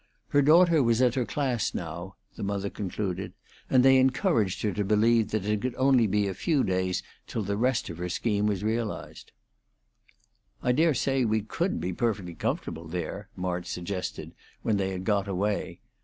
Her daughter was at her class now, the mother concluded; and they encouraged her to believe that it could only be a few days till the rest of her scheme was realized. "I dare say we could be perfectly comfortable there," March suggested when they had got away.